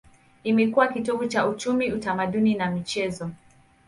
Imekuwa kitovu cha uchumi, utamaduni na michezo.